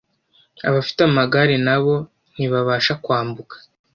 abafite amagare na bo ntibabasha kwambuka